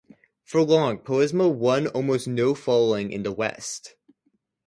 For long, Palamism won almost no following in the West.